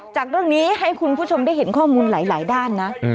จากเรื่องนี้ให้คุณผู้ชมได้เห็นข้อมูลหลายด้านนะ